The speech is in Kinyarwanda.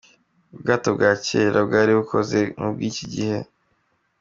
Ubwato bya kera bwari bukoze nk’ubw’iki gihe.